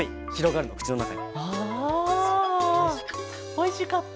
おいしかった。